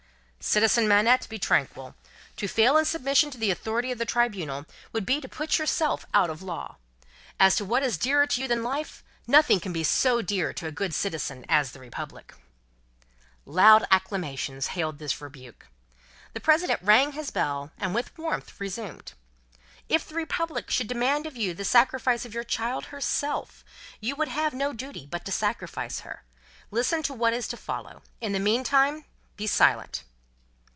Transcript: "Citizen Manette, be tranquil. To fail in submission to the authority of the Tribunal would be to put yourself out of Law. As to what is dearer to you than life, nothing can be so dear to a good citizen as the Republic." Loud acclamations hailed this rebuke. The President rang his bell, and with warmth resumed. "If the Republic should demand of you the sacrifice of your child herself, you would have no duty but to sacrifice her. Listen to what is to follow. In the meanwhile, be silent!"